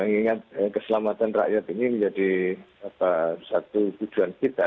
kita ingin ingat keselamatan rakyat ini menjadi satu tujuan kita